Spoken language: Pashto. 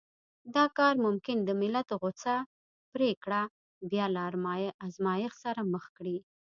دا جال ممکن د ملت غوڅه پرېکړه بيا له ازمایښت سره مخ کړي.